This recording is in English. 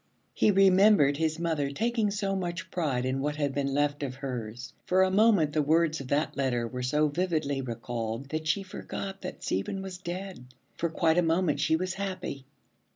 He remembered his mother taking so much pride in what had been left of hers. For a moment the words of that letter were so vividly recalled that she forgot that Stephen was dead. For quite a moment she was happy.